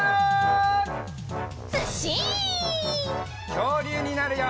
きょうりゅうになるよ！